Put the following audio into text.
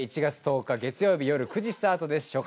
１月１０日月曜日夜９時スタートです。